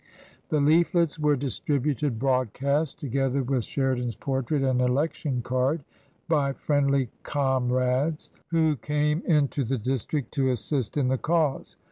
The Leaflets were distributed broadcast, together with Sheridan's portrait and election card, by friendly "comrades" who came into • TRANSITION. 217 the district to assist in the cause.